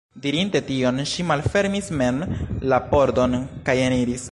Dirinte tion, ŝi malfermis mem la pordon kaj eniris.